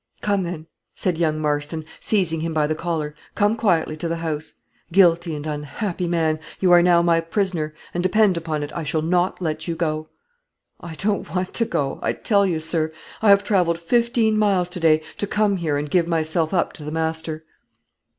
"Come, then," said young Marston, seizing him by the collar, "come quietly to the house. Guilty and unhappy man, you are now my prisoner, and, depend upon it, I shall not let you go." "I don't want to go, I tell you, sir. I have traveled fifteen miles today, to come here and give myself up to the master."